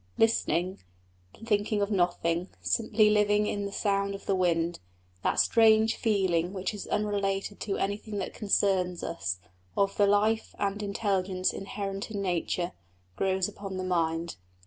Listening, thinking of nothing, simply living in the sound of the wind, that strange feeling which is unrelated to anything that concerns us, of the life and intelligence inherent in nature, grows upon the mind.